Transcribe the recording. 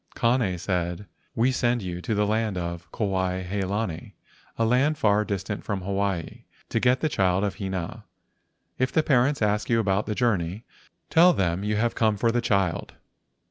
Kane said: " We send you to the land Kuai he lani, a land far distant from Hawaii, to get the child of Hina. If the parents ask you about your journey, tell them you have come for the child.